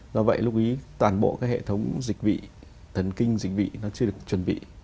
do vậy lúc ý toàn bộ cái hệ thống dịch vụ thần kinh dịch vị nó chưa được chuẩn bị